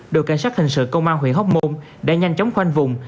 đội cảnh sát hình sự công an huyện hóc môn đã nhanh chóng khoanh vùng